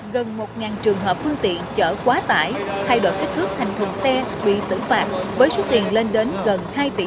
gần một trường hợp phương tiện chở quá tải thay đổi thích thước thành thùng xe bị xử phạm với số tiền lên đến gần hai